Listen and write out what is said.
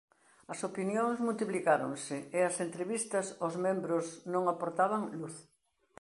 As opinións multiplicáronse e as entrevistas aos membros non aportaban luz.